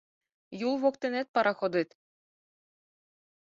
Юл воктенет пароходет -